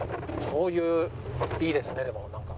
こういういいですねでもなんか。